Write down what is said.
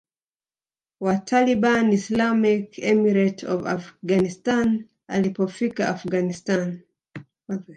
wa Taliban Islamic Emirate of Afghanistan Alipofika Afghanistan